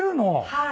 はい。